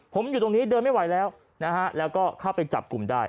ผมอยู่ตรงนี้เดินไม่ไหวแล้วนะฮะแล้วก็เข้าไปจับกลุ่มได้